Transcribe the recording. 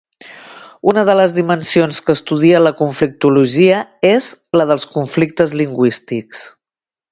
Una de les dimensions que estudia la conflictologia és la dels conflictes lingüístics.